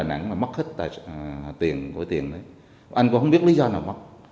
anh có không biết lý do nào mất